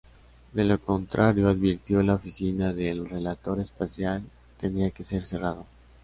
De lo contrario, advirtió, la oficina del Relator Especial tendría que ser cerrado.